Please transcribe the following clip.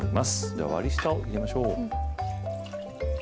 では、割りしたを入れましょう。